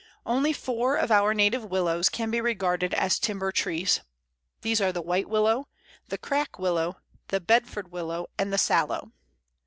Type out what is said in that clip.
Only four of our native Willows can be regarded as timber trees. These are the White Willow, the Crack Willow, the Bedford Willow, and the Sallow.